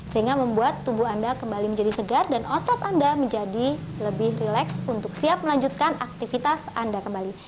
sehingga membuat tubuh anda kembali menjadi segar dan otot anda menjadi lebih rileks untuk siap melanjutkan aktivitas anda kembali